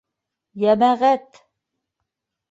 Йәмәғәт!